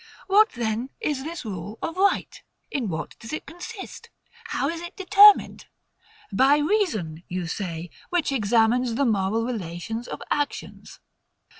What then is this rule of right? In what does it consist? How is it determined? By reason, you say, which examines the moral relations of actions.